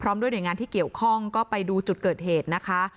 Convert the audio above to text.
ด้วยหน่วยงานที่เกี่ยวข้องก็ไปดูจุดเกิดเหตุนะคะ